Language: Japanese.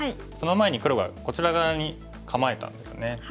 その前に黒がこちら側に構えたんですね。